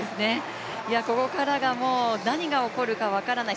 ここからは何が起こるか分からない。